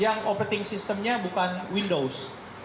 yang operating systemnya bukan windows